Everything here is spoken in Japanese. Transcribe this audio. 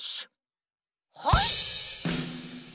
はい！